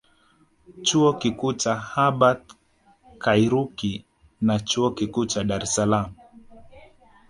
Chuo Kikuu cha Hubert Kairuki na Chuo Kikuu cha Dar es Salaam